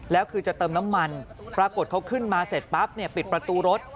แล้วคือจะเติมน้ำมันปรากฏเขาขึ้นมาเสร็จปั๊บปิดประตูรถ